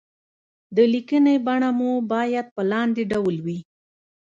د ليکنې بڼه مو بايد په لاندې ډول وي.